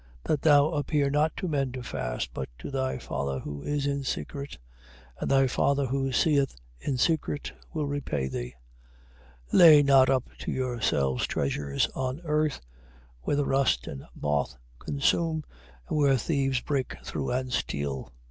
That thou appear not to men to fast, but to thy Father who is in secret: and thy Father who seeth in secret, will repay thee. 6:19. Lay not up to yourselves treasures on earth: where the rust, and moth consume, and where thieves break through, and steal.